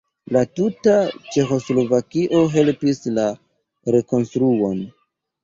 La tuta Ĉeĥoslovakio helpis la rekonstruon.